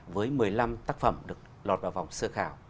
với một mươi năm tác phẩm được lọt vào vòng sơ khảo